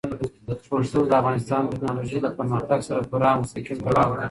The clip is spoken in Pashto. کلتور د افغانستان د تکنالوژۍ له پرمختګ سره پوره او مستقیم تړاو لري.